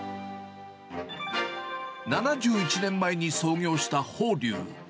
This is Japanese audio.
７１年前に創業した宝龍。